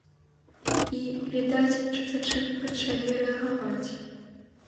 І, відаць, чытачы пачалі рэагаваць.